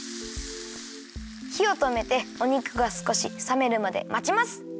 ひをとめてお肉がすこしさめるまでまちます。